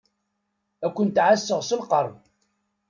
Ad kent-ɛasseɣ s lqerb.